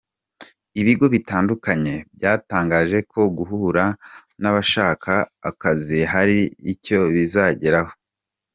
Ibigo bitandukanye byatangaje ko guhura n’abashaka akazi hari icyo bizageraho.